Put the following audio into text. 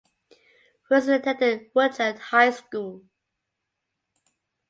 Wilson attended Woodlawn High School.